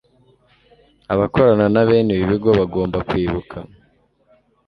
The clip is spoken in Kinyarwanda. Abakorana na bene ibi bigo bagomba kwibuka